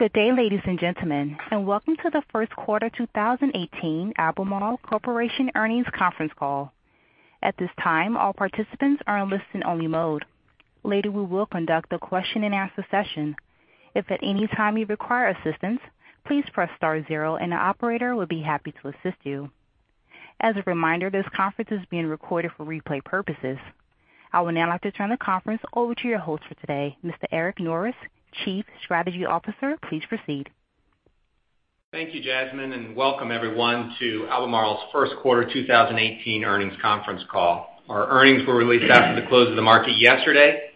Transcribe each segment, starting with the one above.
Good day, ladies and gentlemen, and welcome to the first quarter 2018 Albemarle Corporation earnings conference call. At this time, all participants are in listen-only mode. Later, we will conduct a question and answer session. If at any time you require assistance, please press star zero and an operator will be happy to assist you. As a reminder, this conference is being recorded for replay purposes. I will now like to turn the conference over to your host for today, Mr. Eric Norris, Chief Strategy Officer. Please proceed. Thank you, Jasmine, and welcome everyone to Albemarle's first quarter 2018 earnings conference call. Our earnings were released after the close of the market yesterday.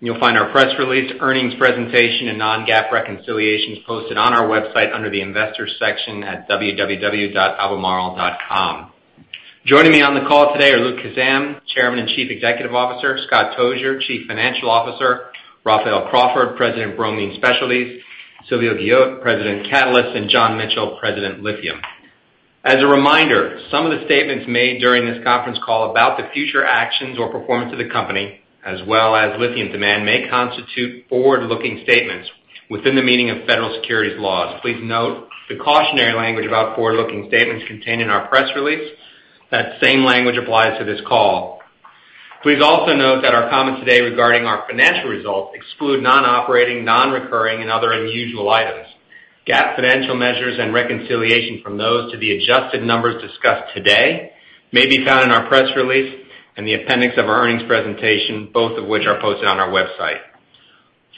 You'll find our press release, earnings presentation, and non-GAAP reconciliations posted on our website under the investors section at www.albemarle.com. Joining me on the call today are Luke Kissam, Chairman and Chief Executive Officer, Scott Tozier, Chief Financial Officer, Raphael Crawford, President of Bromine Specialties, Silvio Ghyoot, President Catalysts, and John Mitchell, President Lithium. As a reminder, some of the statements made during this conference call about the future actions or performance of the company, as well as lithium demand, may constitute forward-looking statements within the meaning of federal securities laws. Please note the cautionary language about forward-looking statements contained in our press release. That same language applies to this call. Please also note that our comments today regarding our financial results exclude non-operating, non-recurring and other unusual items. GAAP financial measures and reconciliation from those to the adjusted numbers discussed today may be found in our press release and the appendix of our earnings presentation, both of which are posted on our website.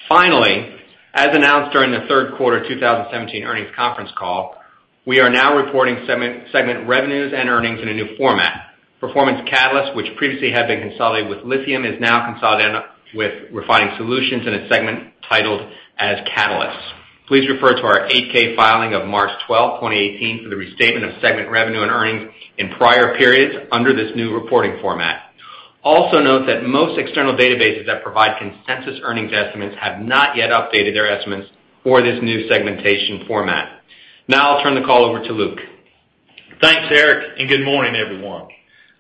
Finally, as announced during the third quarter 2017 earnings conference call, we are now reporting segment revenues and earnings in a new format. Performance Catalysts, which previously had been consolidated with lithium, is now consolidated with Refining Solutions in a segment titled as Catalysts. Please refer to our 8-K filing of March 12, 2018 for the restatement of segment revenue and earnings in prior periods under this new reporting format. Note that most external databases that provide consensus earnings estimates have not yet updated their estimates for this new segmentation format. I'll turn the call over to Luke. Thanks, Eric, and good morning, everyone.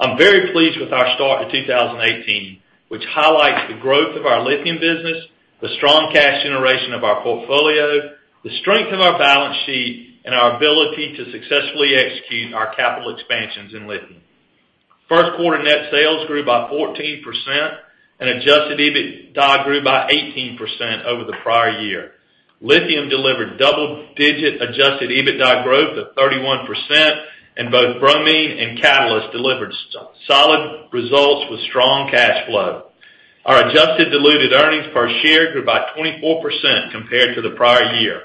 I'm very pleased with our start to 2018, which highlights the growth of our lithium business, the strong cash generation of our portfolio, the strength of our balance sheet, and our ability to successfully execute our capital expansions in lithium. First quarter net sales grew by 14% and adjusted EBITDA grew by 18% over the prior year. Lithium delivered double-digit adjusted EBITDA growth of 31%, and both Bromine and Catalysts delivered solid results with strong cash flow. Our adjusted diluted earnings per share grew by 24% compared to the prior year.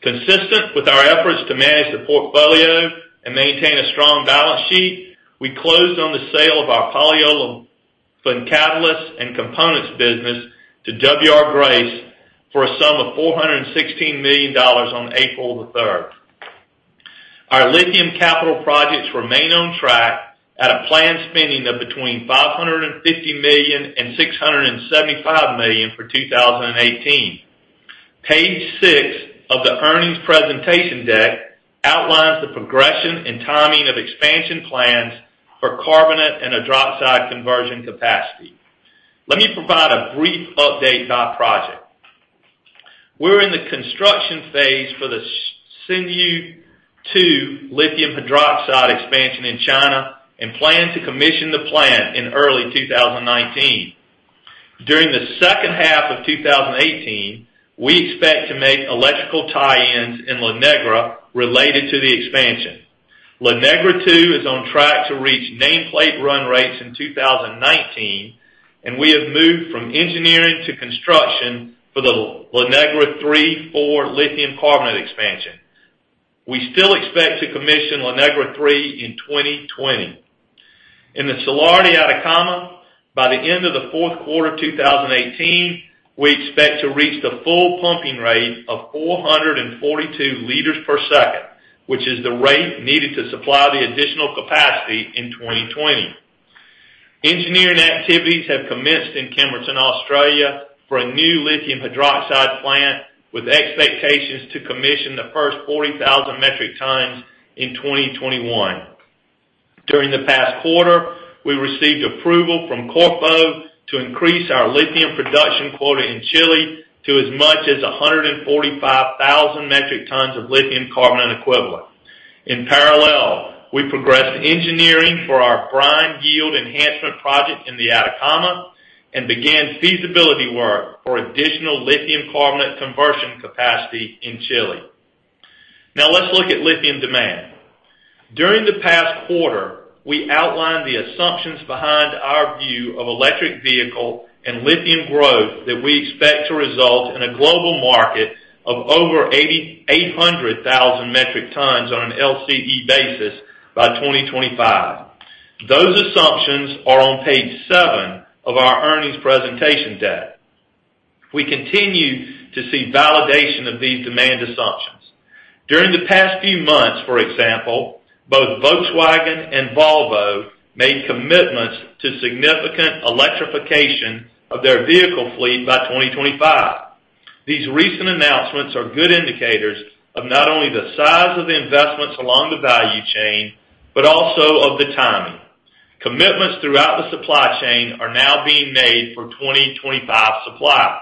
Consistent with our efforts to manage the portfolio and maintain a strong balance sheet, we closed on the sale of our polyolefin catalysts and components business to W. R. Grace for a sum of $416 million on April the 3rd. Our lithium capital projects remain on track at a planned spending of between $550 million and $675 million for 2018. Page six of the earnings presentation deck outlines the progression and timing of expansion plans for carbonate and hydroxide conversion capacity. Let me provide a brief update by project. We're in the construction phase for the Xinyu Two lithium hydroxide expansion in China and plan to commission the plant in early 2019. During the second half of 2018, we expect to make electrical tie-ins in La Negra related to the expansion. La Negra Two is on track to reach nameplate run rates in 2019, and we have moved from engineering to construction for the La Negra Three, Four lithium carbonate expansion. We still expect to commission La Negra Three in 2020. In the Salar de Atacama, by the end of the fourth quarter 2018, we expect to reach the full pumping rate of 442 liters per second, which is the rate needed to supply the additional capacity in 2020. Engineering activities have commenced in Kemerton, Australia for a new lithium hydroxide plant with expectations to commission the first 40,000 metric tons in 2021. During the past quarter, we received approval from Corfo to increase our lithium production quota in Chile to as much as 145,000 metric tons of lithium carbonate equivalent. In parallel, we progressed engineering for our brine yield enhancement project in the Atacama and began feasibility work for additional lithium carbonate conversion capacity in Chile. Now let's look at lithium demand. During the past quarter, we outlined the assumptions behind our view of electric vehicle and lithium growth that we expect to result in a global market of over 800,000 metric tons on an LCE basis by 2025. Those assumptions are on page seven of our earnings presentation deck. We continue to see validation of these demand assumptions. During the past few months, for example, both Volkswagen and Volvo made commitments to significant electrification of their vehicle fleet by 2025. These recent announcements are good indicators of not only the size of the investments along the value chain, but also of Throughout the supply chain are now being made for 2025 supply.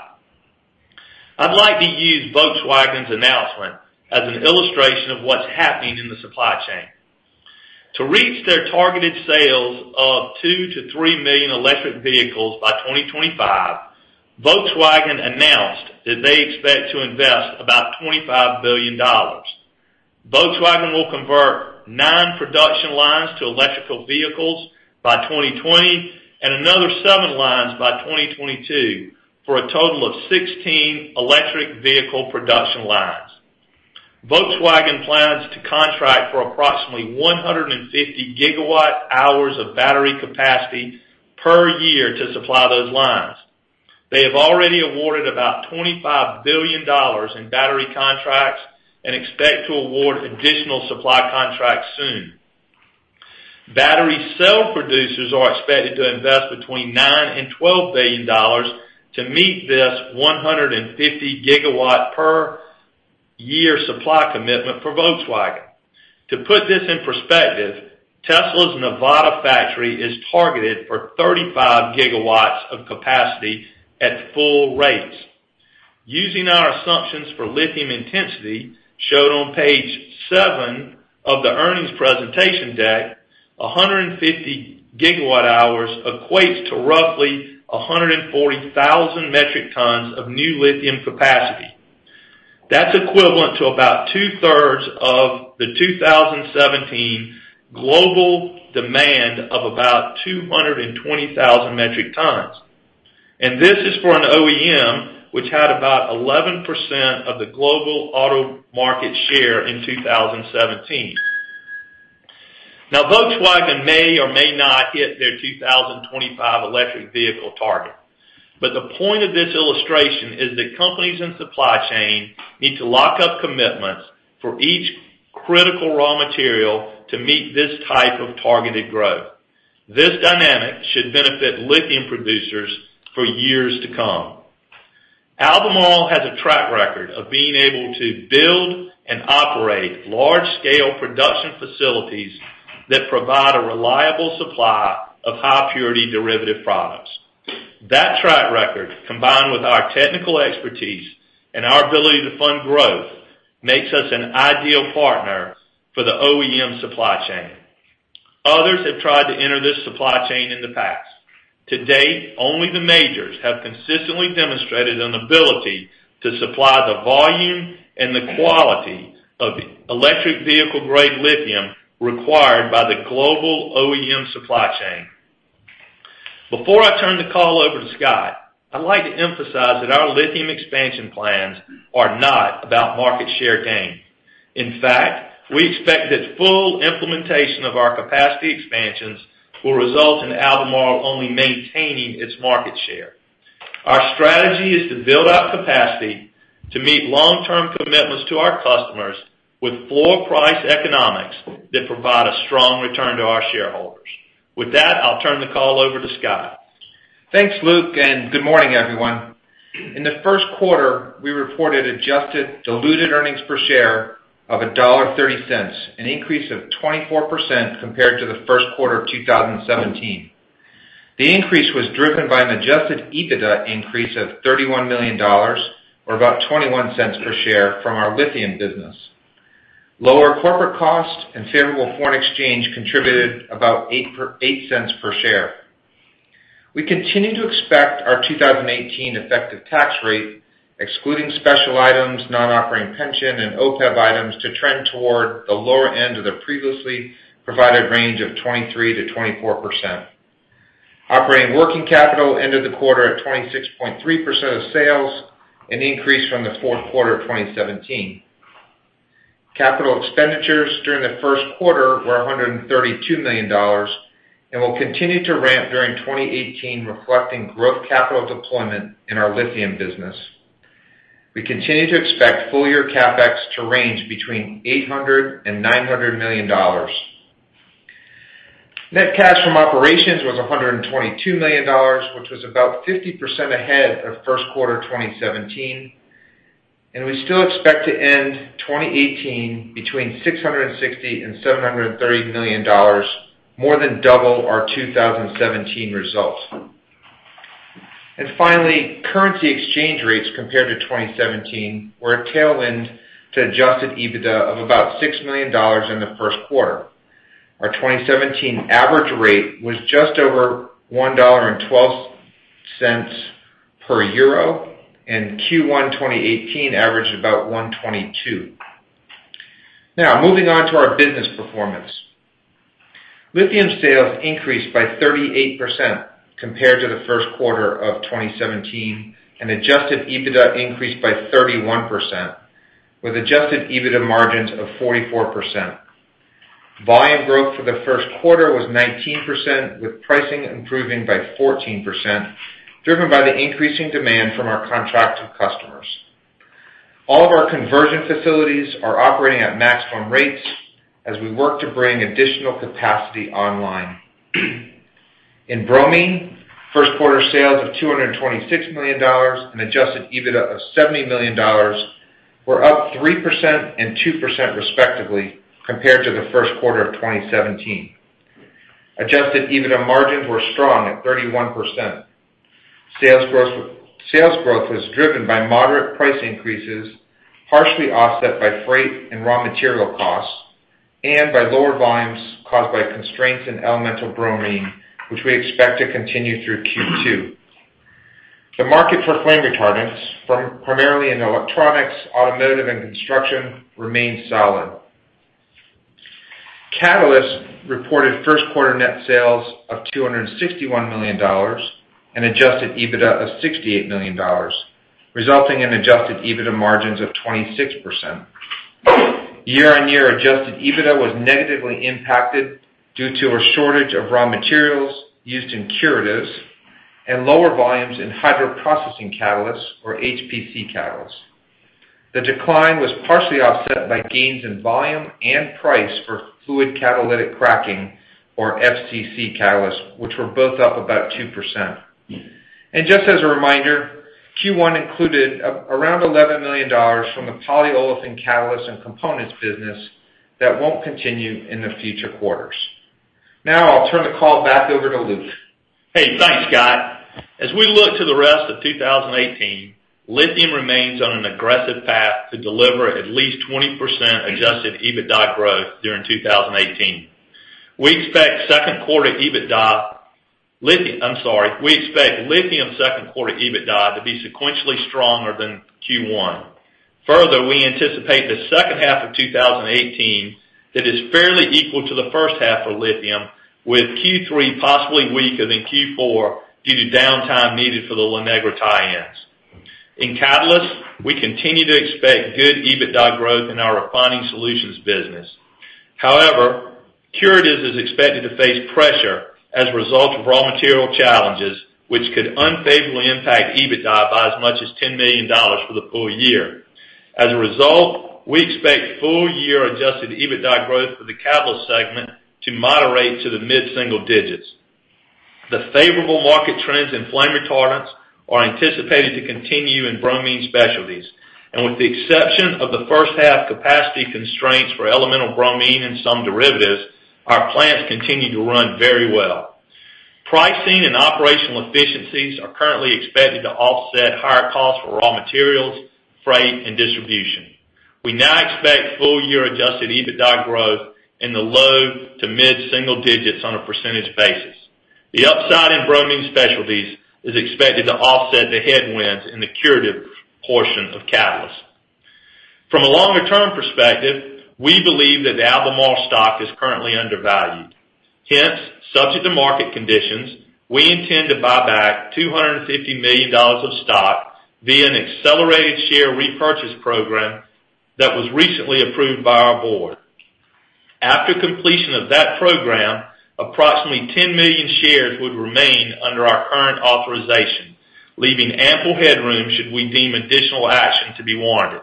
I'd like to use Volkswagen's announcement as an illustration of what's happening in the supply chain. To reach their targeted sales of 2 million-3 million electric vehicles by 2025, Volkswagen announced that they expect to invest about $25 billion. Volkswagen will convert nine production lines to electrical vehicles by 2020 and another seven lines by 2022, for a total of 16 electric vehicle production lines. Volkswagen plans to contract for approximately 150 gigawatt hours of battery capacity per year to supply those lines. They have already awarded about $25 billion in battery contracts and expect to award additional supply contracts soon. Battery cell producers are expected to invest between $9 billion and $12 billion to meet this 150 gigawatt per year supply commitment for Volkswagen. To put this in perspective, Tesla's Nevada factory is targeted for 35 gigawatts of capacity at full rates. Using our assumptions for lithium intensity, shown on page seven of the earnings presentation deck, 150 gigawatt hours equates to roughly 140,000 metric tons of new lithium capacity. That's equivalent to about two-thirds of the 2017 global demand of about 220,000 metric tons. This is for an OEM, which had about 11% of the global auto market share in 2017. Volkswagen may or may not hit their 2025 electric vehicle target, but the point of this illustration is that companies and supply chain need to lock up commitments for each critical raw material to meet this type of targeted growth. This dynamic should benefit lithium producers for years to come. Albemarle has a track record of being able to build and operate large-scale production facilities that provide a reliable supply of high-purity derivative products. That track record, combined with our technical expertise and our ability to fund growth, makes us an ideal partner for the OEM supply chain. Others have tried to enter this supply chain in the past. To date, only the majors have consistently demonstrated an ability to supply the volume and the quality of electric vehicle-grade lithium required by the global OEM supply chain. Before I turn the call over to Scott, I'd like to emphasize that our lithium expansion plans are not about market share gain. In fact, we expect that full implementation of our capacity expansions will result in Albemarle only maintaining its market share. Our strategy is to build out capacity to meet long-term commitments to our customers with floor price economics that provide a strong return to our shareholders. With that, I'll turn the call over to Scott. Thanks, Luke. Good morning, everyone. In the first quarter, we reported adjusted diluted earnings per share of $1.30, an increase of 24% compared to the first quarter of 2017. The increase was driven by an adjusted EBITDA increase of $31 million, or about $0.21 per share from our lithium business. Lower corporate costs and favorable foreign exchange contributed about $0.08 per share. We continue to expect our 2018 effective tax rate, excluding special items, non-operating pension, and OPEB items, to trend toward the lower end of the previously provided range of 23%-24%. Operating working capital ended the quarter at 26.3% of sales, an increase from the fourth quarter of 2017. Capital expenditures during the first quarter were $132 million and will continue to ramp during 2018, reflecting growth capital deployment in our lithium business. We continue to expect full-year CapEx to range between $800 million and $900 million. Net cash from operations was $122 million, which was about 50% ahead of first quarter 2017. We still expect to end 2018 between $660 million and $730 million, more than double our 2017 results. Finally, currency exchange rates compared to 2017 were a tailwind to adjusted EBITDA of about $6 million in the first quarter. Our 2017 average rate was just over $1.12 per EUR, and Q1 2018 averaged about $1.22. Now, moving on to our business performance. Lithium sales increased by 38% compared to the first quarter of 2017, and adjusted EBITDA increased by 31%, with adjusted EBITDA margins of 44%. Volume growth for the first quarter was 19%, with pricing improving by 14%, driven by the increasing demand from our contracted customers. All of our conversion facilities are operating at maximum rates as we work to bring additional capacity online. In Bromine, first quarter sales of $226 million, an adjusted EBITDA of $70 million. were up 3% and 2% respectively compared to the first quarter of 2017. Adjusted EBITDA margins were strong at 31%. Sales growth was driven by moderate price increases, partially offset by freight and raw material costs, and by lower volumes caused by constraints in elemental bromine, which we expect to continue through Q2. The market for flame retardants, primarily in electronics, automotive, and construction, remained solid. Catalysts reported first quarter net sales of $261 million and adjusted EBITDA of $68 million, resulting in adjusted EBITDA margins of 26%. Year-on-year adjusted EBITDA was negatively impacted due to a shortage of raw materials used in curatives and lower volumes in hydroprocessing catalysts or HPC catalysts. The decline was partially offset by gains in volume and price for fluid catalytic cracking, or FCC catalysts, which were both up about 2%. Just as a reminder, Q1 included around $11 million from the polyolefin catalysts and components business that won't continue in the future quarters. Now I'll turn the call back over to Luke. Thanks, Scott. As we look to the rest of 2018, lithium remains on an aggressive path to deliver at least 20% adjusted EBITDA growth during 2018. We expect lithium second quarter EBITDA to be sequentially stronger than Q1. Further, we anticipate the second half of 2018 that is fairly equal to the first half for lithium, with Q3 possibly weaker than Q4 due to downtime needed for the La Negra tie-ins. In Catalysts, we continue to expect good EBITDA growth in our Refining Solutions business. However, curatives is expected to face pressure as a result of raw material challenges, which could unfavorably impact EBITDA by as much as $10 million for the full year. As a result, we expect full year adjusted EBITDA growth for the Catalysts segment to moderate to the mid-single digits. The favorable market trends in flame retardants are anticipated to continue in Bromine Specialties. With the exception of the first half capacity constraints for elemental bromine and some derivatives, our plants continue to run very well. Pricing and operational efficiencies are currently expected to offset higher costs for raw materials, freight, and distribution. We now expect full year adjusted EBITDA growth in the low to mid-single digits on a percentage basis. The upside in Bromine Specialties is expected to offset the headwinds in the curative portion of Catalysts. From a longer-term perspective, we believe that the Albemarle stock is currently undervalued. Hence, subject to market conditions, we intend to buy back $250 million of stock via an accelerated share repurchase program that was recently approved by our board. After completion of that program, approximately 10 million shares would remain under our current authorization, leaving ample headroom should we deem additional action to be warranted.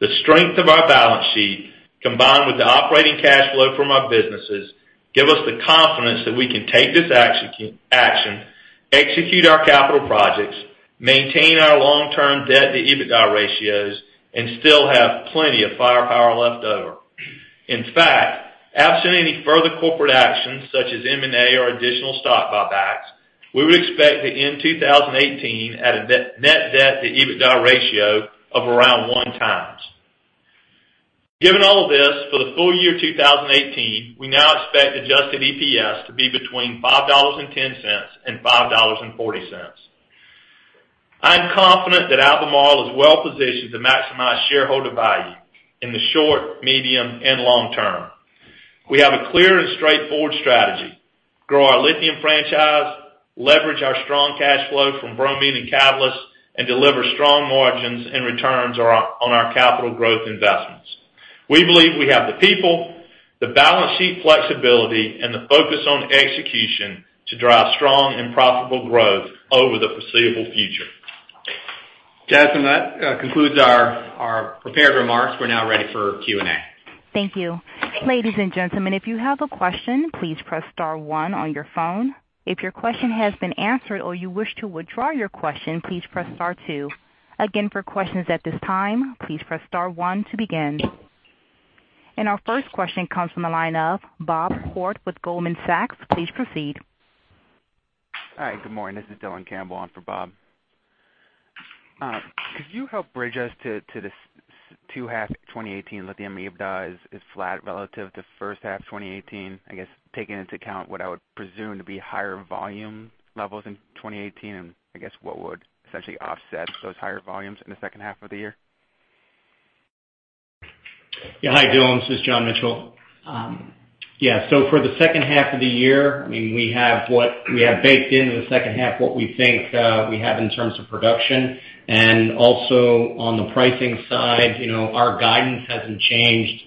The strength of our balance sheet, combined with the operating cash flow from our businesses, give us the confidence that we can take this action, execute our capital projects, maintain our long-term debt to EBITDA ratios, and still have plenty of firepower left over. In fact, absent any further corporate actions such as M&A or additional stock buybacks, we would expect to end 2018 at a net debt to EBITDA ratio of around one times. Given all this, for the full year 2018, we now expect adjusted EPS to be between $5.10 and $5.40. I'm confident that Albemarle is well-positioned to maximize shareholder value in the short, medium, and long term. We have a clear and straightforward strategy: grow our lithium franchise, leverage our strong cash flow from Bromine and Catalysts, and deliver strong margins and returns on our capital growth investments. We believe we have the people, the balance sheet flexibility, and the focus on execution to drive strong and profitable growth over the foreseeable future. Jasmine, that concludes our prepared remarks. We're now ready for Q&A. Thank you. Ladies and gentlemen, if you have a question, please press star one on your phone. If your question has been answered or you wish to withdraw your question, please press star two. Again, for questions at this time, please press star one to begin. Our first question comes from the line of Bob Koort with Goldman Sachs. Please proceed. Hi, good morning. This is Dylan Campbell on for Bob. Could you help bridge us to the second half 2018 lithium EBITDA is flat relative to first half 2018, I guess, taking into account what I would presume to be higher volume levels in 2018, and I guess what would essentially offset those higher volumes in the second half of the year? Yeah. Hi, Dylan, this is John Mitchell. Yeah, for the second half of the year, we have baked into the second half what we think we have in terms of production. Also on the pricing side, our guidance hasn't changed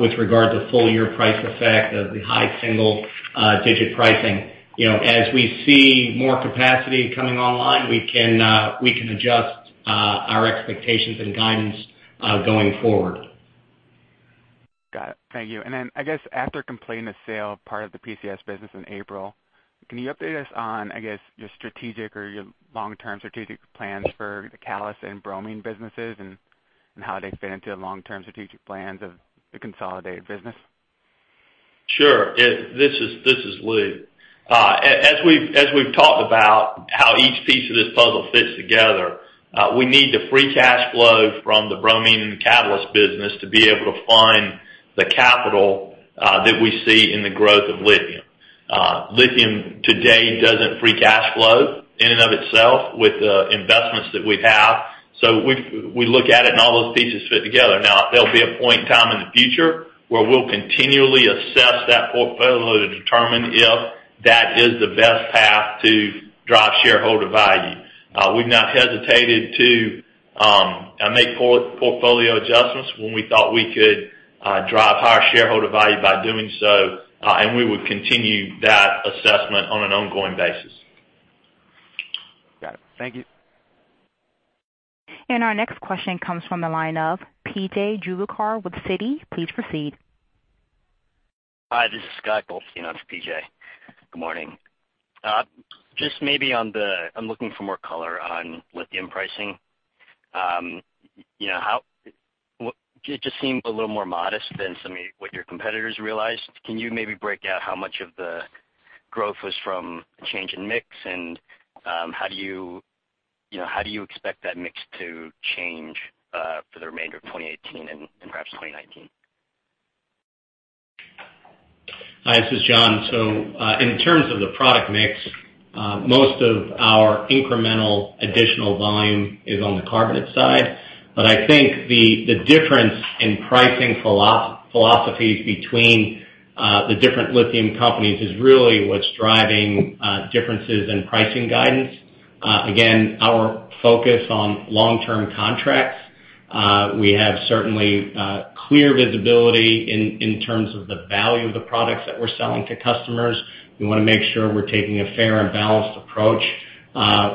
with regard to full year price effect of the high single digit pricing. As we see more capacity coming online, we can adjust our expectations and guidance going forward. Got it. Thank you. After completing the sale part of the PCS business in April, can you update us on your strategic or your long-term strategic plans for the Catalysts and Bromine Specialties businesses and how they fit into the long-term strategic plans of the consolidated business? Sure. This is Luke. We've talked about how each piece of this puzzle fits together, we need the free cash flow from the Bromine Specialties and Catalysts business to be able to fund the capital that we see in the growth of lithium. Lithium today doesn't free cash flow in and of itself with the investments that we have. We look at it, and all those pieces fit together. There'll be a point in time in the future where we'll continually assess that portfolio to determine if that is the best path to drive shareholder value. We've not hesitated to make portfolio adjustments when we thought we could drive higher shareholder value by doing so. We would continue that assessment on an ongoing basis. Got it. Thank you. Our next question comes from the line of P.J. Juvekar with Citi. Please proceed. Hi, this is Scott Bolte in for PJ. Good morning. Just maybe I'm looking for more color on lithium pricing. It just seemed a little more modest than what your competitors realized. Can you maybe break out how much of the growth was from a change in mix, and how do you expect that mix to change for the remainder of 2018 and perhaps 2019? Hi, this is John. In terms of the product mix, most of our incremental additional volume is on the carbonate side. I think the difference in pricing philosophies between the different lithium companies is really what's driving differences in pricing guidance. Again, our focus on long-term contracts. We have certainly clear visibility in terms of the value of the products that we're selling to customers. We want to make sure we're taking a fair and balanced approach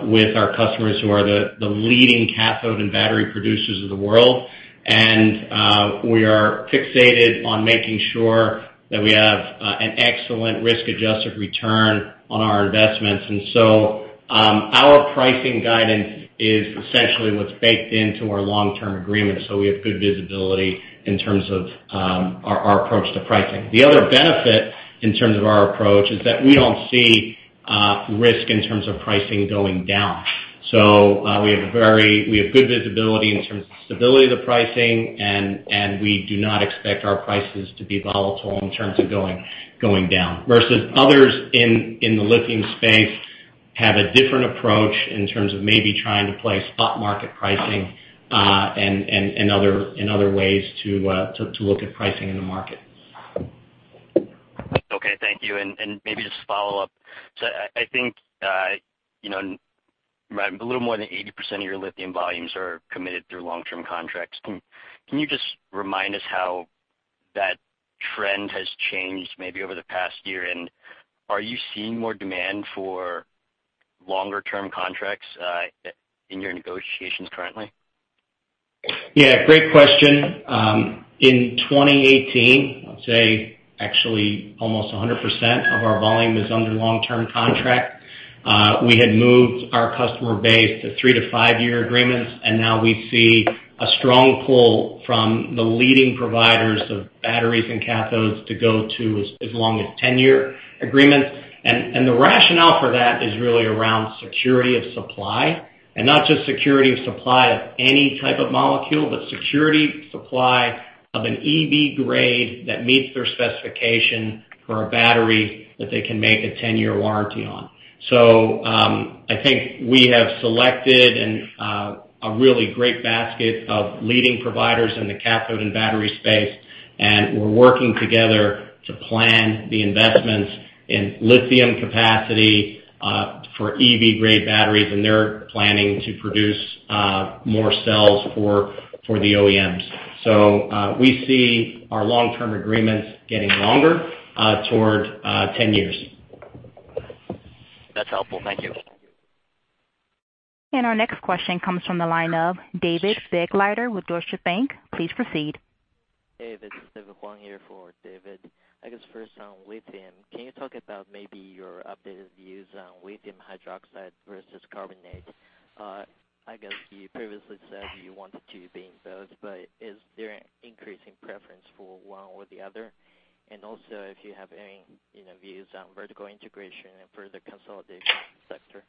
with our customers who are the leading cathode and battery producers of the world. We are fixated on making sure that we have an excellent risk-adjusted return on our investments. Our pricing guidance is essentially what's baked into our long-term agreement. We have good visibility in terms of our approach to pricing. The other benefit in terms of our approach is that we don't see risk in terms of pricing going down. We have good visibility in terms of stability of the pricing, and we do not expect our prices to be volatile in terms of going down versus others in the lithium space have a different approach in terms of maybe trying to play spot market pricing and other ways to look at pricing in the market. Okay. Thank you. Maybe just to follow up. I think a little more than 80% of your lithium volumes are committed through long-term contracts. Can you just remind us how that trend has changed maybe over the past year? Are you seeing more demand for longer-term contracts in your negotiations currently? Yeah, great question. In 2018, I'd say actually almost 100% of our volume is under long-term contract. We had moved our customer base to three to five-year agreements. Now we see a strong pull from the leading providers of batteries and cathodes to go to as long as 10-year agreements. The rationale for that is really around security of supply. Not just security of supply of any type of molecule, but security of supply of an EV-grade that meets their specification for a battery that they can make a 10-year warranty on. I think we have selected a really great basket of leading providers in the cathode and battery space, and we're working together to plan the investments in lithium capacity for EV-grade batteries. They're planning to produce more cells for the OEMs. We see our long-term agreements getting longer toward 10 years. That's helpful. Thank you. Our next question comes from the line of David Begleiter with Deutsche Bank. Please proceed. Hey, this is David Huang here for David. I guess first on lithium, can you talk about maybe your updated views on lithium hydroxide versus carbonate? I guess you previously said you wanted to be in both, but is there an increasing preference for one or the other? Also if you have any views on vertical integration and further consolidation in the sector.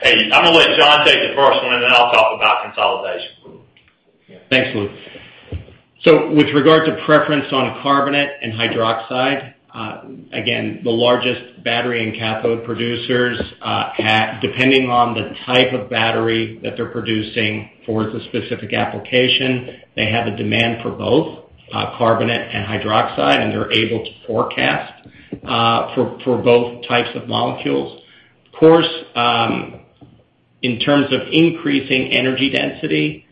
Hey, I'm going to let John take the first one, then I'll talk about consolidation. Thanks, Lou. With regard to preference on carbonate and hydroxide, again, the largest battery and cathode producers, depending on the type of battery that they're producing for the specific application, they have a demand for both carbonate and hydroxide, and they're able to forecast for both types of molecules. Of course, in terms of increasing energy density,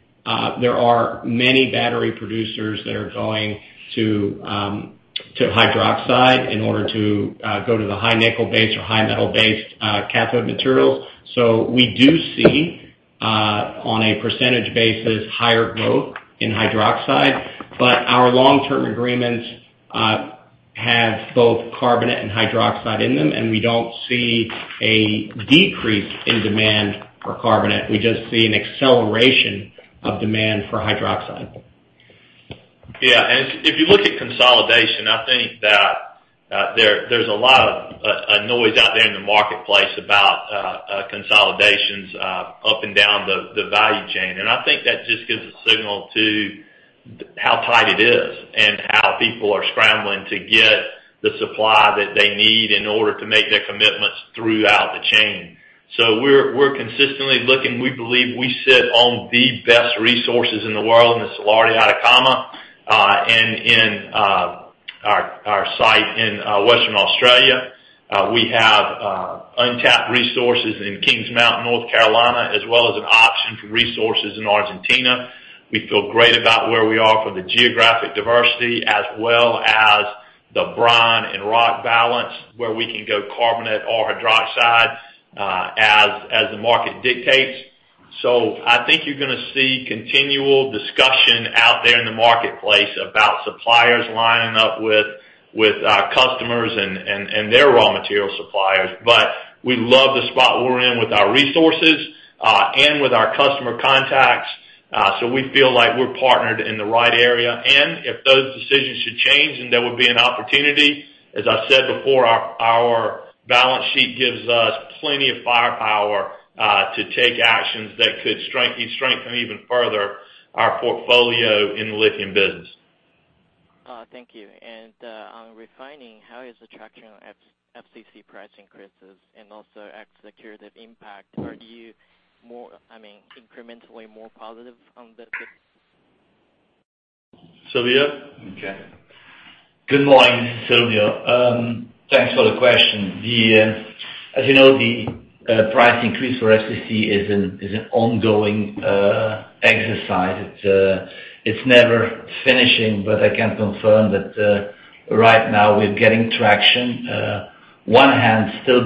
there are many battery producers that are going to hydroxide in order to go to the high nickel base or high metal-based cathode materials. We do see, on a % basis, higher growth in hydroxide, our long-term agreements have both carbonate and hydroxide in them, we don't see a decrease in demand for carbonate. We just see an acceleration of demand for hydroxide. Yeah. If you look at consolidation, I think that there's a lot of noise out there in the marketplace about consolidations up and down the value chain. I think that just gives a signal to how tight it is, and how people are scrambling to get the supply that they need in order to make their commitments throughout the chain. We're consistently looking. We believe we sit on the best resources in the world in the Salar de Atacama, and in our site in Western Australia. We have untapped resources in Kings Mountain, North Carolina, as well as an option for resources in Argentina. We feel great about where we are for the geographic diversity as well as the brine and rock balance, where we can go carbonate or hydroxide, as the market dictates. I think you're going to see continual discussion out there in the marketplace about suppliers lining up with customers and their raw material suppliers. We love the spot we're in with our resources, and with our customer contacts. We feel like we're partnered in the right area. If those decisions should change, there would be an opportunity. As I said before, our balance sheet gives us plenty of firepower to take actions that could strengthen even further our portfolio in the lithium business. Thank you. On refining, how is the traction on FCC price increases and also executing the impact? Are you incrementally more positive on the Silvio? Okay. Good morning. This is Silvio. Thanks for the question. As you know, the price increase for FCC is an ongoing exercise. It's never finishing, but I can confirm that right now we're getting traction. One hand still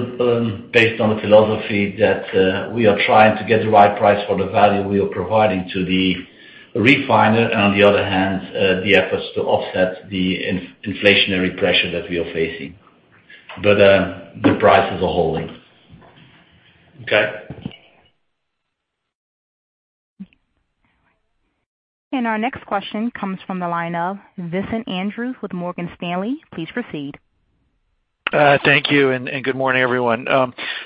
based on the philosophy that we are trying to get the right price for the value we are providing to the refiner. On the other hand, the efforts to offset the inflationary pressure that we are facing. The prices are holding. Okay. Our next question comes from the line of Vincent Andrews with Morgan Stanley. Please proceed. Thank you. Good morning, everyone.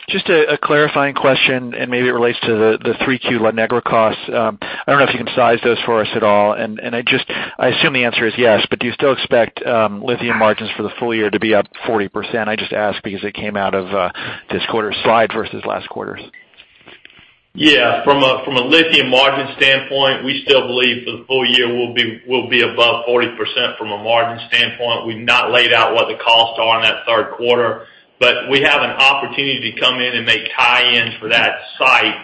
Just a clarifying question, maybe it relates to the 3Q La Negra costs. I don't know if you can size those for us at all. I assume the answer is yes, do you still expect lithium margins for the full year to be up 40%? I just ask because it came out of this quarter slide versus last quarter's. From a lithium margin standpoint, we still believe for the full year we'll be above 40% from a margin standpoint. We've not laid out what the costs are in that third quarter, but we have an opportunity to come in and make tie-ins for that site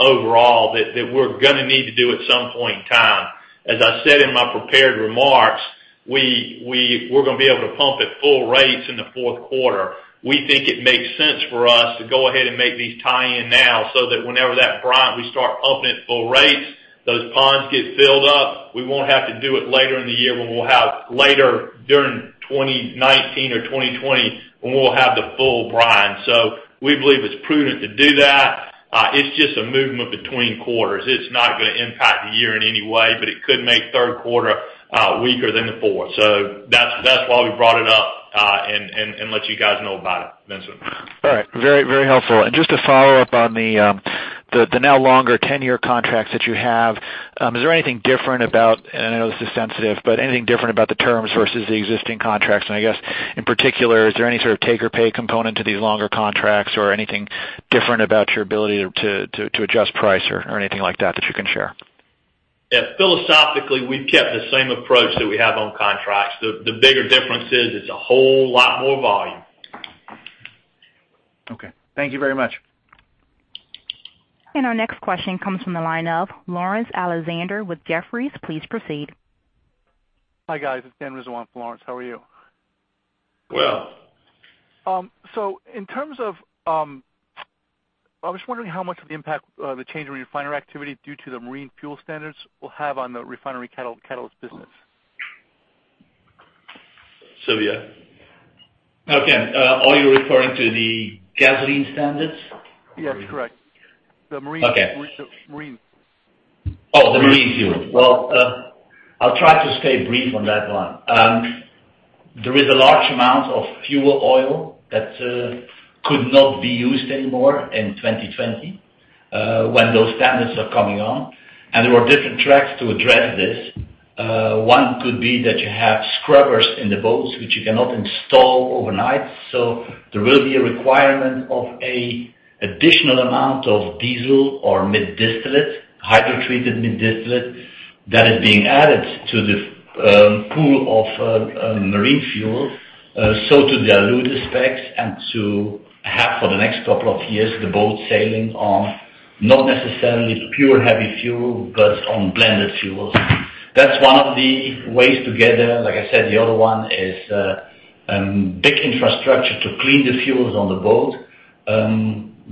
overall, that we're going to need to do at some point in time. As I said in my prepared remarks, we're going to be able to pump at full rates in the fourth quarter. We think it makes sense for us to go ahead and make these tie-in now, so that whenever that brine, we start pumping at full rates, those ponds get filled up. We won't have to do it later in the year when we'll have later during 2019 or 2020 when we'll have the full brine. We believe it's prudent to do that. It's just a movement between quarters. It's not going to impact the year in any way, it could make third quarter weaker than the fourth. That's why we brought it up, and let you guys know about it, Vincent. Very helpful. Just to follow up on the now longer tenure contracts that you have, is there anything different about, and I know this is sensitive, anything different about the terms versus the existing contracts? I guess in particular, is there any sort of take or pay component to these longer contracts or anything different about your ability to adjust price or anything like that you can share? Philosophically, we've kept the same approach that we have on contracts. The bigger difference is it's a whole lot more volume. Okay. Thank you very much. Our next question comes from the line of Lawrence Alexander with Jefferies. Please proceed. Hi, guys. It's Dan Rizwan for Lawrence. How are you? Well. I was just wondering how much of the impact the change in refiner activity due to the marine fuel standards will have on the refinery catalyst business? Sylvio. Okay. Are you referring to the gasoline standards? Yes, correct. The marine- Okay. The marine. Oh, the marine fuel. Well, I'll try to stay brief on that one. There is a large amount of fuel oil that could not be used anymore in 2020, when those standards are coming on. There are different tracks to address this. One could be that you have scrubbers in the boats, which you cannot install overnight. There will be a requirement of an additional amount of diesel or mid-distillate, hydrotreated mid-distillate, that is being added to the pool of marine fuel, so to dilute the specs and to have for the next couple of years the boat sailing on Not necessarily pure heavy fuel, but on blended fuels. That's one of the ways together. Like I said, the other one is big infrastructure to clean the fuels on the boat.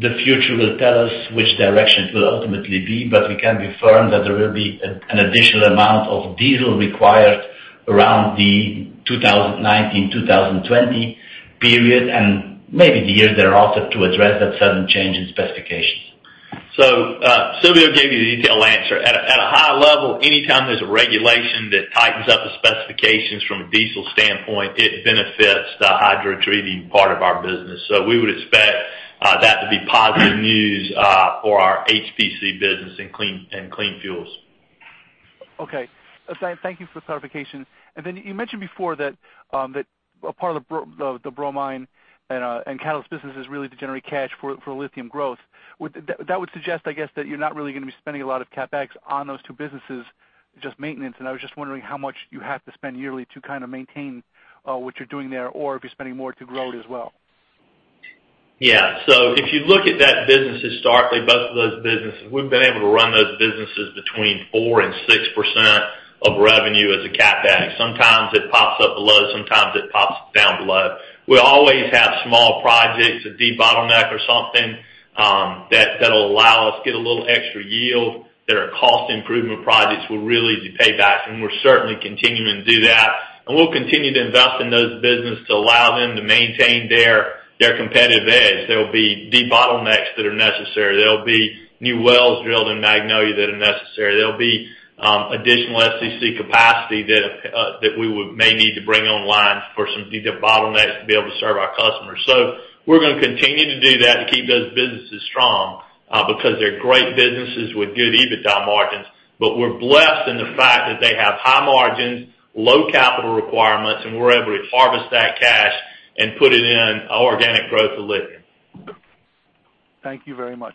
The future will tell us which direction it will ultimately be, but we can be firm that there will be an additional amount of diesel required around the 2019-2020 period, and maybe the years thereafter to address that sudden change in specifications. Silvio gave you the detailed answer. At a high level, anytime there's a regulation that tightens up the specifications from a diesel standpoint, it benefits the hydrotreating part of our business. We would expect that to be positive news for our HPC business in clean fuels. Okay. Thank you for the clarification. You mentioned before that a part of the bromine and catalyst business is really to generate cash for lithium growth. That would suggest, I guess, that you're not really going to be spending a lot of CapEx on those two businesses, just maintenance. I was just wondering how much you have to spend yearly to kind of maintain what you're doing there, or if you're spending more to grow it as well. Yeah. If you look at that business historically, both of those businesses, we've been able to run those businesses between 4% and 6% of revenue as a CapEx. Sometimes it pops up below, sometimes it pops down below. We'll always have small projects, a debottleneck or something, that'll allow us get a little extra yield, that our cost improvement projects will really de-pay back, we're certainly continuing to do that. We'll continue to invest in those business to allow them to maintain their competitive edge. There'll be debottlenecks that are necessary. There'll be new wells drilled in Magnolia that are necessary. There'll be additional SEC capacity that we may need to bring online for some debottlenecks to be able to serve our customers. We're going to continue to do that to keep those businesses strong because they're great businesses with good EBITDA margins. We're blessed in the fact that they have high margins, low capital requirements, and we're able to harvest that cash and put it in our organic growth of lithium. Thank you very much.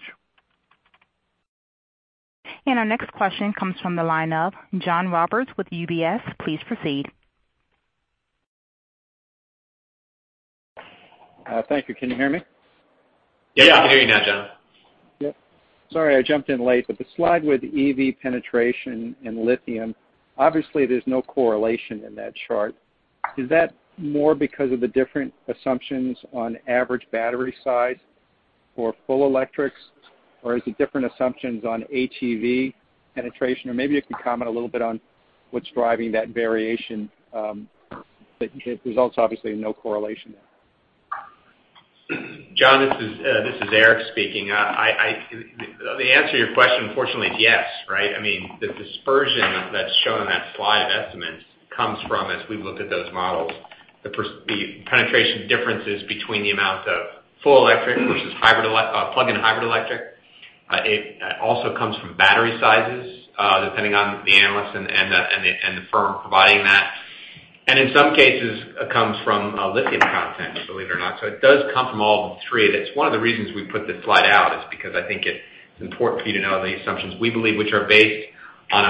Our next question comes from the line of John Roberts with UBS. Please proceed. Thank you. Can you hear me? Yeah, I can hear you now, John. Yep. Sorry, I jumped in late, the slide with EV penetration and lithium, obviously there's no correlation in that chart. Is that more because of the different assumptions on average battery size for full electrics, or is it different assumptions on HEV penetration? Maybe if you comment a little bit on what's driving that variation, that results obviously in no correlation there. John, this is Eric speaking. The answer to your question unfortunately, is yes. I mean, the dispersion that's shown in that slide estimate comes from, as we looked at those models, the penetration differences between the amount of full electric versus plug-in hybrid electric. It also comes from battery sizes, depending on the analyst and the firm providing that. In some cases, it comes from lithium content, believe it or not. It does come from all three of it. It's one of the reasons we put this slide out is because I think it's important for you to know the assumptions we believe, which are based on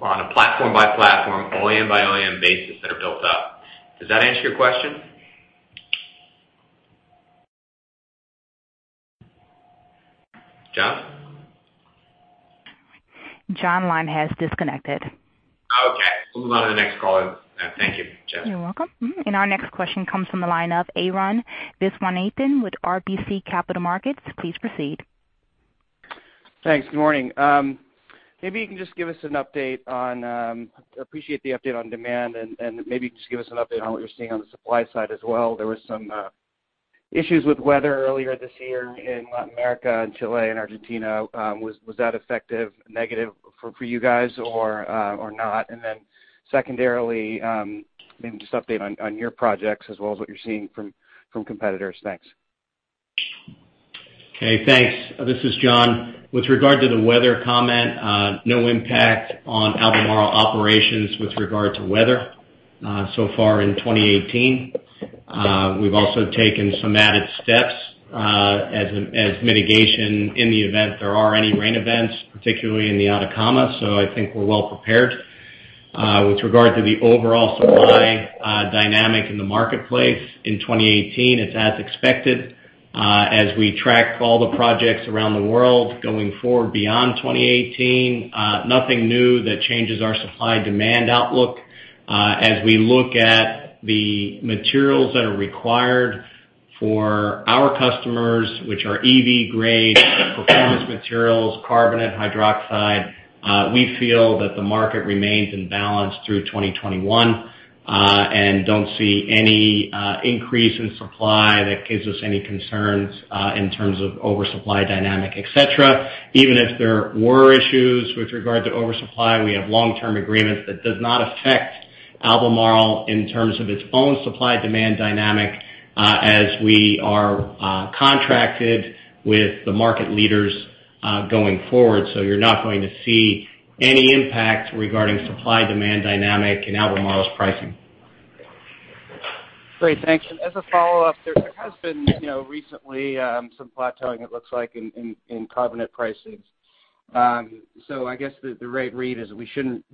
a platform-by-platform, OEM-by-OEM basis that are built up. Does that answer your question? John? John line has disconnected. Okay. We'll move on to the next caller. Thank you, Jasmine. You're welcome. Our next question comes from the line of Arun Viswanathan with RBC Capital Markets. Please proceed. Thanks. Good morning. Appreciate the update on demand. Maybe just give us an update on what you're seeing on the supply side as well. There was some issues with weather earlier this year in Latin America and Chile and Argentina. Was that effective negative for you guys or not? Secondarily, maybe just update on your projects as well as what you're seeing from competitors. Thanks. Okay, thanks. This is John. With regard to the weather comment, no impact on Albemarle operations with regard to weather so far in 2018. We've also taken some added steps as mitigation in the event there are any rain events, particularly in the Atacama, so I think we're well prepared. With regard to the overall supply dynamic in the marketplace in 2018, it's as expected. We track all the projects around the world going forward beyond 2018, nothing new that changes our supply-demand outlook. We look at the materials that are required for our customers, which are EV grade performance materials, carbonate, hydroxide, we feel that the market remains in balance through 2021. We don't see any increase in supply that gives us any concerns in terms of oversupply dynamic, et cetera. Even if there were issues with regard to oversupply, we have long-term agreements that does not affect Albemarle in terms of its own supply-demand dynamic as we are contracted with the market leaders going forward. You're not going to see any impact regarding supply-demand dynamic in Albemarle's pricing. Great, thanks. As a follow-up, there has been recently some plateauing it looks like in carbonate pricing. I guess the right read is we shouldn't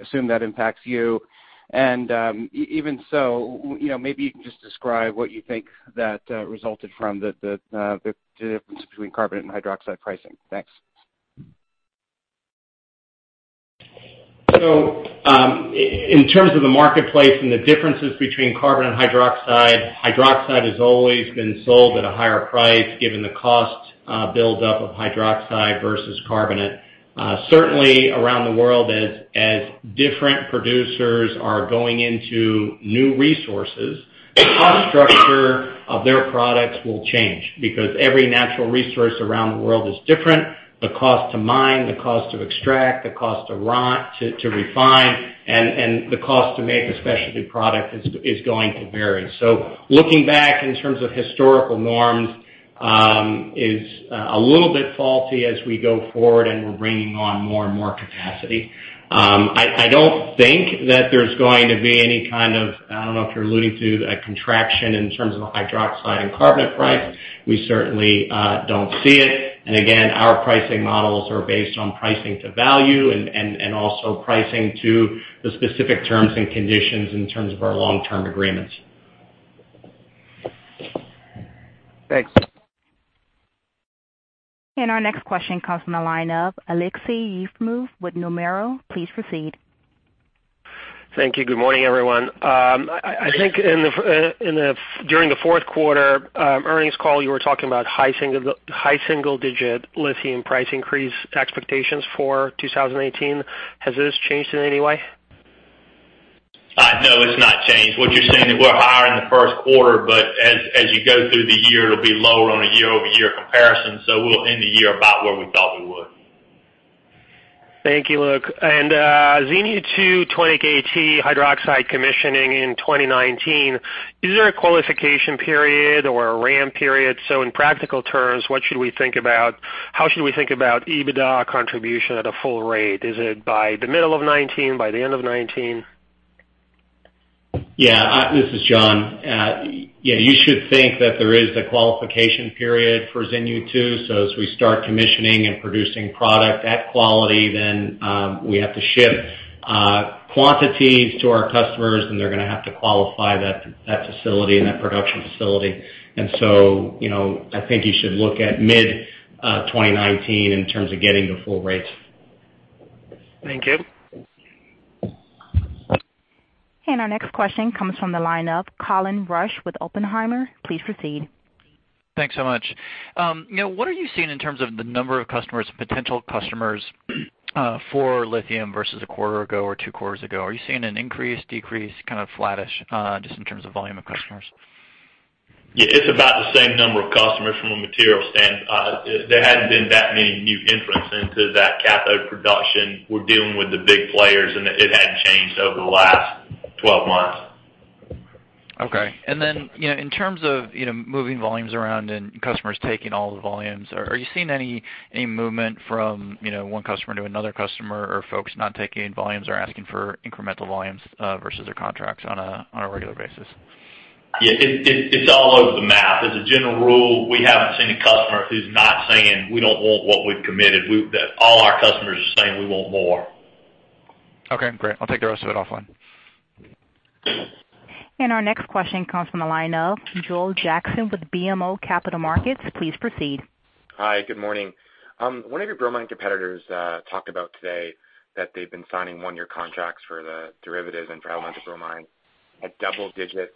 assume that impacts you. Even so, maybe you can just describe what you think that resulted from the difference between carbonate and hydroxide pricing. Thanks. In terms of the marketplace and the differences between carbonate and hydroxide has always been sold at a higher price given the cost buildup of hydroxide versus carbonate. Certainly around the world as different producers are going into new resources, the cost structure of their products will change because every natural resource around the world is different. The cost to mine, the cost to extract, the cost to refine, and the cost to make a specialty product is going to vary. Looking back in terms of historical norms is a little bit faulty as we go forward and we're bringing on more and more capacity. I don't think that there's going to be any kind of, I don't know if you're alluding to a contraction in terms of the hydroxide and carbonate price. We certainly don't see it. Again, our pricing models are based on pricing to value and also pricing to the specific terms and conditions in terms of our long-term agreements. Thanks. Our next question comes from the line of Aleksey Yefremov with Nomura. Please proceed. Thank you. Good morning, everyone. I think during the fourth quarter earnings call, you were talking about high single digit lithium price increase expectations for 2018. Has this changed in any way? No, it's not changed. What you're seeing is we're higher in the first quarter, but as you go through the year, it'll be lower on a year-over-year comparison. We'll end the year about where we thought we would. Thank you, Luke. Xinyu 2, 20kt hydroxide commissioning in 2019. Is there a qualification period or a ramp period? In practical terms, what should we think about, how should we think about EBITDA contribution at a full rate? Is it by the middle of 2019? By the end of 2019? Yeah. This is John. You should think that there is the qualification period for Xinyu 2. As we start commissioning and producing product at quality, we have to ship quantities to our customers, and they're going to have to qualify that facility and that production facility. I think you should look at mid-2019 in terms of getting to full rates. Thank you. Our next question comes from the line of Colin Rusch with Oppenheimer. Please proceed. Thanks so much. What are you seeing in terms of the number of customers, potential customers for lithium versus a quarter ago or two quarters ago? Are you seeing an increase, decrease, kind of flattish, just in terms of volume of customers? Yeah, it's about the same number of customers from a material standpoint. There hadn't been that many new entrants into that cathode production. We're dealing with the big players, and it hadn't changed over the last 12 months. Okay. In terms of moving volumes around and customers taking all the volumes, are you seeing any movement from one customer to another customer or folks not taking volumes or asking for incremental volumes versus their contracts on a regular basis? Yeah, it's all over the map. As a general rule, we haven't seen a customer who's not saying, "We don't want what we've committed." All our customers are saying, "We want more. Okay, great. I'll take the rest of it offline. Our next question comes from the line of Joel Jackson with BMO Capital Markets. Please proceed. Hi, good morning. One of your bromine competitors talked about today that they've been signing one-year contracts for the derivatives and for elemental bromine at double digits.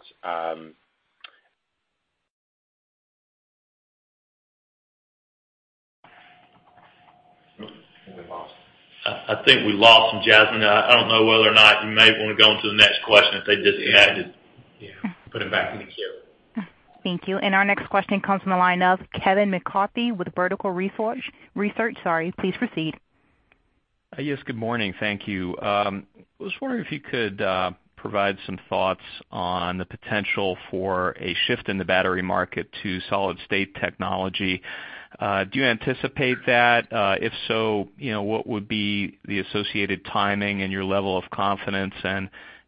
I think we lost him, Jasmine. I don't know whether or not you may want to go on to the next question if they just had to put him back in the queue. Thank you. Our next question comes from the line of Kevin McCarthy with Vertical Research. Please proceed. Yes, good morning. Thank you. I was wondering if you could provide some thoughts on the potential for a shift in the battery market to solid state technology. Do you anticipate that? If so, what would be the associated timing and your level of confidence?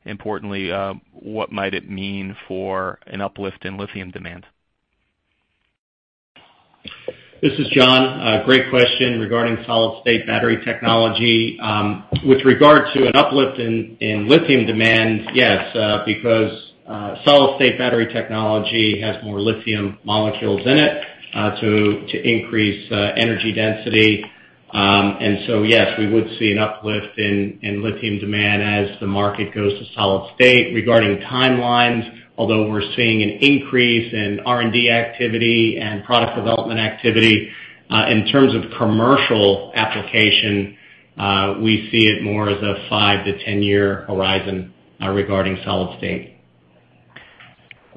Importantly, what might it mean for an uplift in lithium demand? This is John. Great question regarding solid state battery technology. With regard to an uplift in lithium demand, yes because solid state battery technology has more lithium molecules in it to increase energy density. Yes, we would see an uplift in lithium demand as the market goes to solid state. Regarding timelines, although we're seeing an increase in R&D activity and product development activity, in terms of commercial application we see it more as a 5-10-year horizon regarding solid state.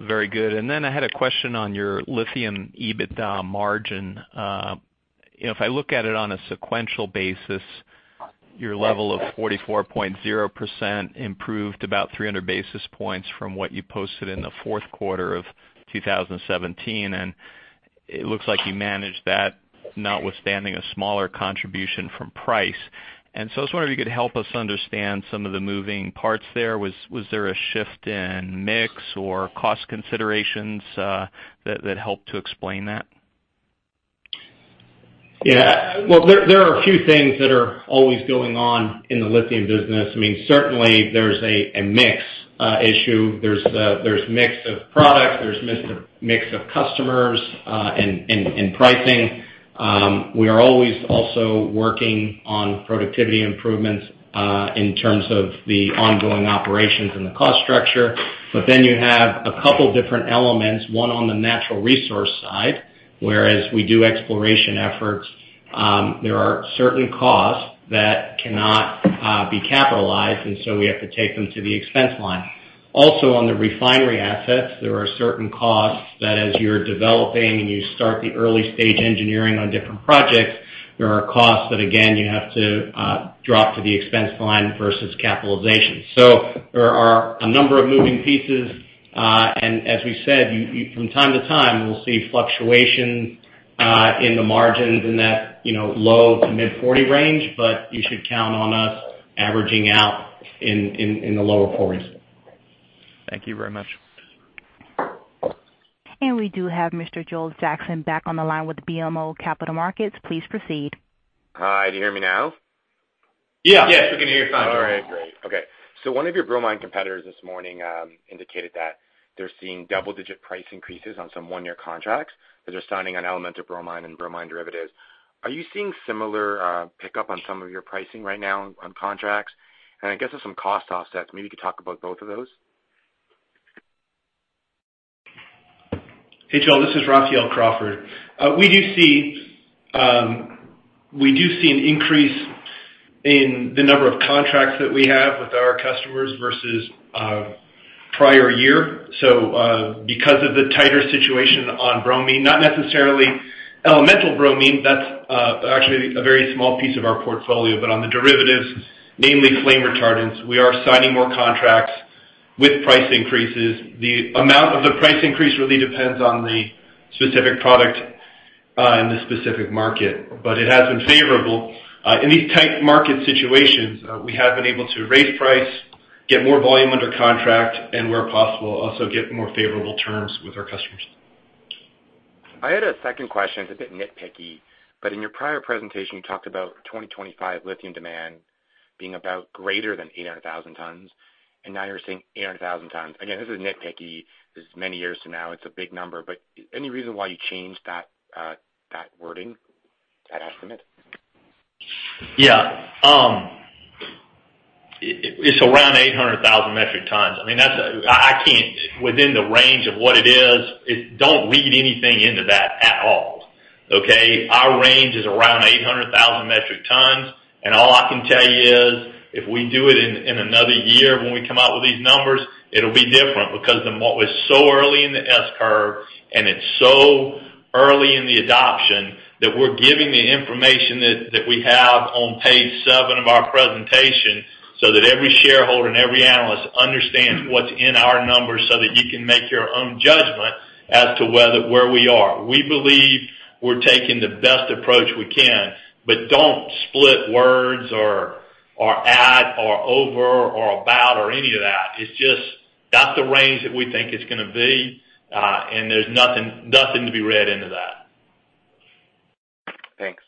Very good. I had a question on your lithium EBITDA margin. If I look at it on a sequential basis, your level of 44.0% improved about 300 basis points from what you posted in the fourth quarter of 2017. It looks like you managed that notwithstanding a smaller contribution from price. I was wondering if you could help us understand some of the moving parts there. Was there a shift in mix or cost considerations that helped to explain that? Yeah. Well, there are a few things that are always going on in the lithium business. Certainly there's a mix issue. There's mix of products, there's mix of customers, and pricing. We are always also working on productivity improvements in terms of the ongoing operations and the cost structure. You have a couple different elements, one on the natural resource side, whereas we do exploration efforts. There are certain costs that cannot be capitalized, we have to take them to the expense line. Also on the refinery assets, there are certain costs that as you're developing and you start the early stage engineering on different projects, there are costs that again, you have to drop to the expense line versus capitalization. There are a number of moving pieces. As we said, from time to time, we'll see fluctuations in the margins in that low to mid 40 range. You should count on us averaging out in the lower 40s. Thank you very much. We do have Mr. Joel Jackson back on the line with BMO Capital Markets. Please proceed. Hi, do you hear me now? Yes. We can hear you fine. All right, great. Okay. One of your bromine competitors this morning indicated that they're seeing double-digit price increases on some one-year contracts that they're signing on elemental bromine and bromine derivatives. Are you seeing similar pickup on some of your pricing right now on contracts, and I guess there's some cost offsets. Maybe you could talk about both of those. Hey, Joel, this is Raphael Crawford. We do see an increase in the number of contracts that we have with our customers versus prior year. Because of the tighter situation on bromine, not necessarily elemental bromine, that's actually a very small piece of our portfolio, but on the derivatives, namely flame retardants, we are signing more contracts with price increases. The amount of the price increase really depends on the specific product and the specific market, but it has been favorable. In these tight market situations, we have been able to raise price, get more volume under contract, and where possible, also get more favorable terms with our customers. I had a second question. It's a bit nitpicky, but in your prior presentation, you talked about 2025 lithium demand being about greater than 800,000 tons, and now you're saying 800,000 tons. Again, this is nitpicky. This is many years from now. It's a big number, any reason why you changed that wording, that estimate? Yeah. It's around 800,000 metric tons. Within the range of what it is, don't read anything into that at all. Okay? Our range is around 800,000 metric tons. All I can tell you is if we do it in another year when we come out with these numbers, it'll be different because then what was so early in the S curve, and it's so early in the adoption that we're giving the information that we have on page seven of our presentation so that every shareholder and every analyst understands what's in our numbers so that you can make your own judgment as to where we are. We believe we're taking the best approach we can. Don't split words or at or over or about or any of that. It's just that's the range that we think it's going to be. There's nothing to be read into that. Thanks.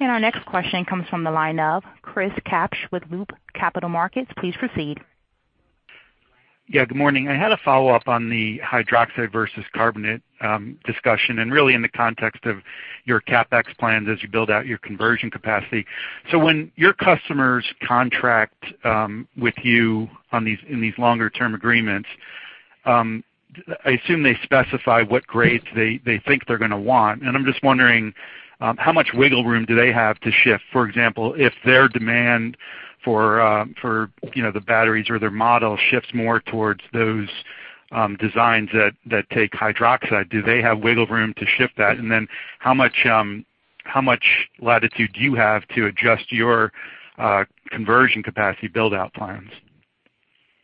Our next question comes from the line of Chris Kapsch with Loop Capital Markets. Please proceed. Yeah, good morning. I had a follow-up on the hydroxide versus carbonate discussion, and really in the context of your CapEx plans as you build out your conversion capacity. When your customers contract with you in these longer-term agreements, I assume they specify what grades they think they're going to want, and I'm just wondering how much wiggle room do they have to shift? For example, if their demand for the batteries or their model shifts more towards those designs that take hydroxide, do they have wiggle room to shift that? How much latitude do you have to adjust your conversion capacity build-out plans?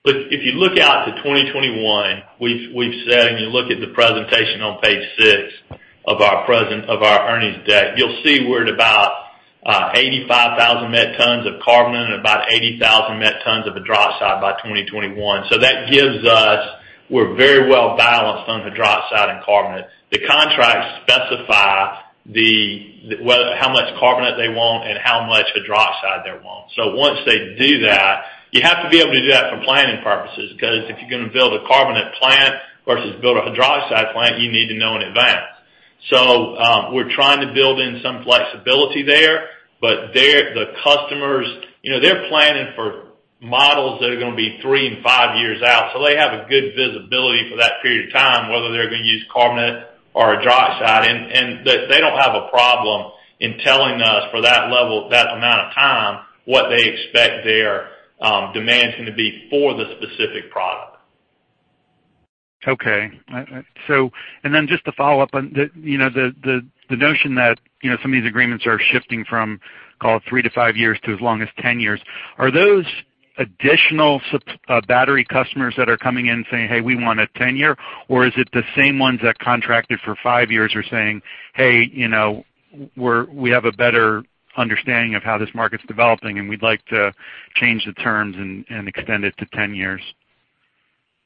If you look out to 2021, we've said, and you look at the presentation on page six of our earnings deck, you'll see we're at about 85,000 met tons of carbonate and about 80,000 met tons of hydroxide by 2021. That gives us we're very well balanced on hydroxide and carbonate. The contracts specify how much carbonate they want and how much hydroxide they want. Once they do that, you have to be able to do that for planning purposes because if you're going to build a carbonate plant versus build a hydroxide plant, you need to know in advance. We're trying to build in some flexibility there, but the customers, they're planning for models that are going to be 3 and 5 years out. They have a good visibility for that period of time, whether they're going to use carbonate or hydroxide. They don't have a problem in telling us for that level, that amount of time, what they expect their demand is going to be for the specific product. Okay. Just to follow up on the notion that some of these agreements are shifting from call it 3 to 5 years to as long as 10 years. Are those additional battery customers that are coming in saying, "Hey, we want a 10-year," or is it the same ones that contracted for 5 years are saying, "Hey, we have a better understanding of how this market's developing, and we'd like to change the terms and extend it to 10 years"?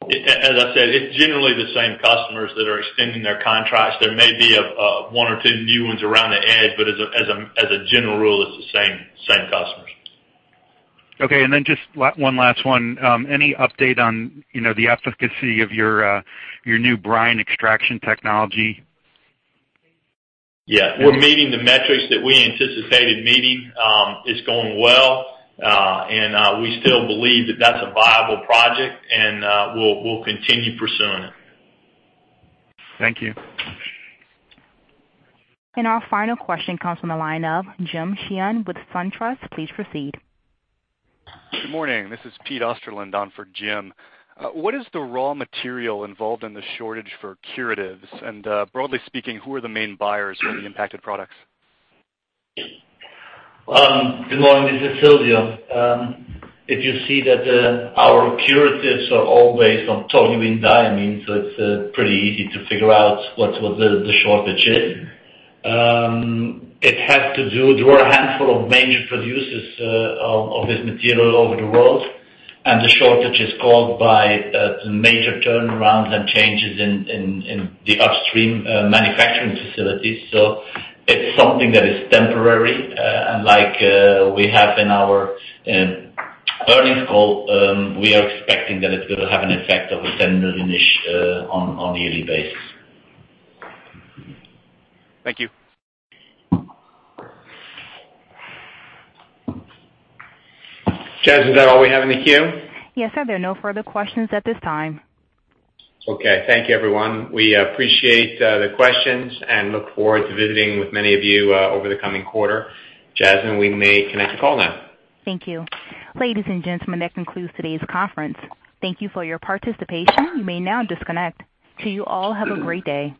As I said, it's generally the same customers that are extending their contracts. There may be one or two new ones around the edge, but as a general rule, it's the same customers. Okay. Just one last one. Any update on the efficacy of your new brine extraction technology? Yeah. We're meeting the metrics that we anticipated meeting. It's going well, and we still believe that that's a viable project, and we'll continue pursuing it. Thank you. Our final question comes from the line of Jim Sheehan with SunTrust. Please proceed. Good morning. This is Peter Osterland on for Jim. What is the raw material involved in the shortage for curatives? Broadly speaking, who are the main buyers of the impacted products? Good morning. This is Silvio. If you see that our curatives are all based on toluene diamine, it's pretty easy to figure out what the shortage is. There were a handful of major producers of this material over the world, the shortage is caused by some major turnarounds and changes in the upstream manufacturing facilities. It's something that is temporary. Like we have in our earnings call, we are expecting that it's going to have an effect of $10 million-ish on a yearly basis. Thank you. Jas, is that all we have in the queue? Yes, sir. There are no further questions at this time. Okay. Thank you, everyone. We appreciate the questions and look forward to visiting with many of you over the coming quarter. Jasmine, we may end the call now. Thank you. Ladies and gentlemen, that concludes today's conference. Thank you for your participation. You may now disconnect. To you all, have a great day.